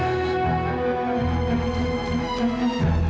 dia pasti menang